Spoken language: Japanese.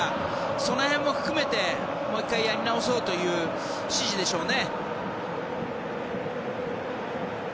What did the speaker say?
その辺も含めてもう１回やり直そうという指示でしょうね。